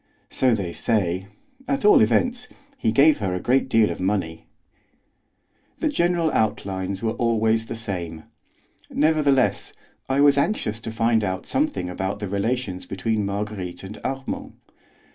"So they say; at all events, he gave her a great deal of money." The general outlines were always the same. Nevertheless I was anxious to find out something about the relations between Marguerite and Armand.